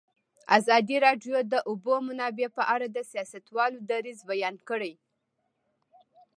ازادي راډیو د د اوبو منابع په اړه د سیاستوالو دریځ بیان کړی.